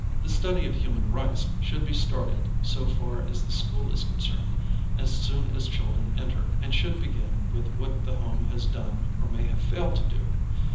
The study of human rights should be started, so far as the school is concerned, as soon as children enter, and should begin with what the home has done or may have failed to do.